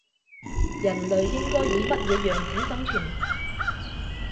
人類應該以乜嘢樣子生存